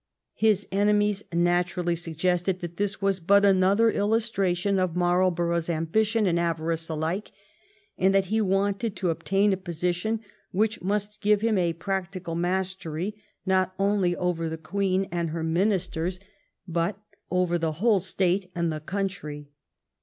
His enemies naturally suggested that this was but an other illustration of Marlborough's ambition and ava rice alike, and that he wanted to obtain a position which must give him a practical mastery not only over the Queen and her ministers, but over the whole state and the country.